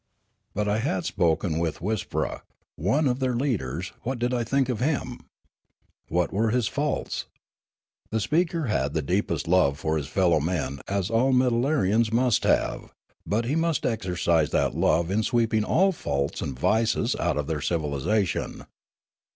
But I had spoken with Wispra, one of their leaders ; what did I think of him ? What were his faults ? The speaker had the deepest love for his fellow men as all Meddlarians must have, but he must exercise that love in sweeping all faults and vices out of their civil isation.